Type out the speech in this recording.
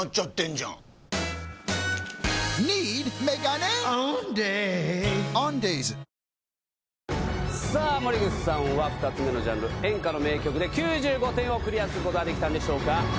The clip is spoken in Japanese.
「はだおもいオーガニック」森口さんは２つ目のジャンル「演歌」の名曲で９５点をクリアすることができたんでしょうか？